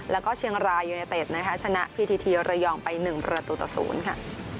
แล้วก็เชียงรายยูเนเต็ดนะคะชนะพีทีทีระยองไป๑ประตูต่อ๐ค่ะ